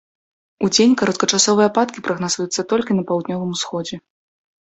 Удзень кароткачасовыя ападкі прагназуюцца толькі на паўднёвым усходзе.